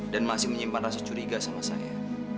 dan masih menyimpan rasa curiga sama saya